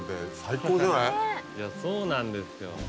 いやそうなんですよ。